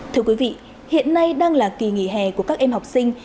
thưa quý vị hiện nay đang là kỳ nghỉ hè của các em học sinh